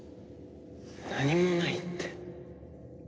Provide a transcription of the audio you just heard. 何もないって。